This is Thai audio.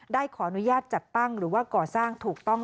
ได้ขออนุญาตจัดตั้งหรือว่าก่อสร้างถูกต้อง